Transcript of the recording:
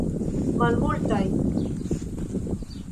Malmultaj.